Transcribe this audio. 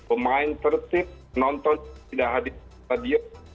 pemain tertib nonton tidak hadir di stadion